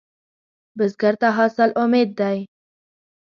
بزګر ته حاصل امید دی